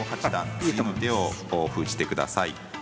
次の手を封じてください。